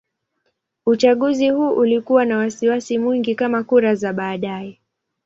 Uchaguzi huu ulikuwa na wasiwasi mwingi kama kura za baadaye.